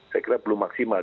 saya kira belum maksimal